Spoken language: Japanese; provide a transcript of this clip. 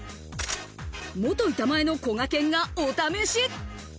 元板前のこがけんが、おためし。